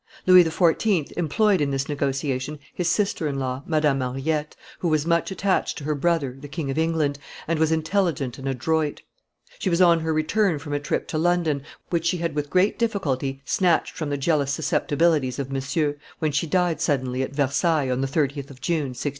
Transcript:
Louis XIV. employed in this negotiation his sister in law, Madame Henriette, who was much attached to her brother, the King of England, and was intelligent and adroit; she was on her return from a trip to London, which she had with great difficulty snatched from the jealous susceptibilities of Monsieur, when she died suddenly at Versailles on the 30th of June, 1670.